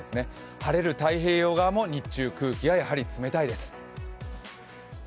晴れる太平洋側も日中、空気が冷たいです。